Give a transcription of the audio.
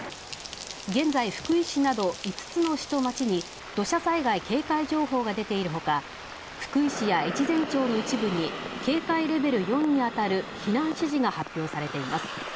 現在、福井市など５つの市と町に土砂災害警戒情報が出ているほか、福井市や越前町の一部に警戒レベル４に当たる避難指示が発表されています。